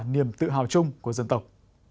niềm tự hào chung của dân tộc